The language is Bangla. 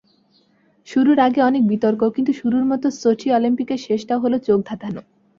শুরুর আগে অনেক বিতর্ক, কিন্তু শুরুর মতো সোচি অলিম্পিকের শেষটাও হলো চোখ ধাঁধানো।